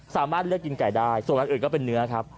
สามารถเลือกกินไก่ได้ส่วนอันอื่นก็เป็นเนื้อครับ